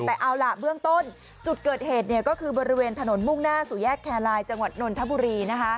แต่เอาละเบื้องต้นจุดเกิดเหตุคือบริเวณถนนมุ่งหน้าสุแยกแคลายจนนทบุรีนะคะ